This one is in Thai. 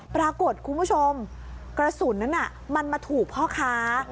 ปรากฏคุณผู้ชมกระสุนนั้นมันมาถูกพ่อค้า